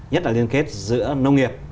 nhất là liên kết giữa nông nghiệp